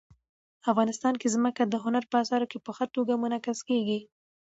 افغانستان کې ځمکه د هنر په اثار کې په ښه توګه منعکس کېږي.